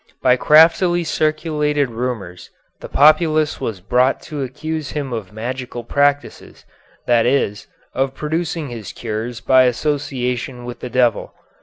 By craftily circulated rumors the populace was brought to accuse him of magical practices, that is, of producing his cures by association with the devil.